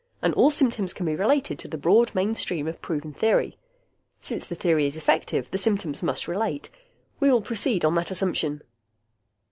And all symptoms can be related to the broad mainstream of proven theory. Since the theory is effective, the symptoms must relate. We will proceed on that assumption."